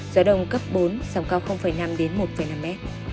gió đông cấp bốn sóng cao năm một năm m